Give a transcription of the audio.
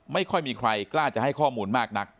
ไม่ค่อยมีใครกล้าจะให้ข้อมูลมากนัก